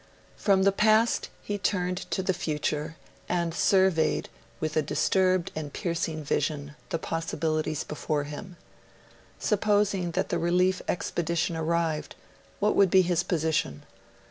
From the past, he turned to the future, and surveyed, with a disturbed and piercing vision, the possibilities before him. Supposing that the relief expedition arrived, what would be his position?